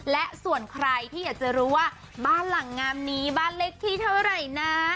และส่วนใครที่อยากจะรู้ว่าบ้านหลังงามนี้บ้านเลขที่เท่าไหร่นะ